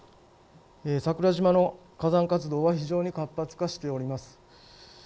桜島の火山活動は非常に活発化しております。